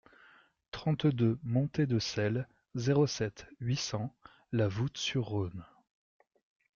trente-deux montée de Celles, zéro sept, huit cents La Voulte-sur-Rhône